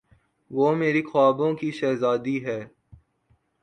وہ میرے خوابوں کی شہزادی ہے۔